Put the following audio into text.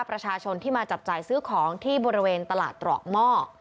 ประชาชนที่มาจับจ่ายซื้อของที่บริเวณตลาดตรอกหม้อ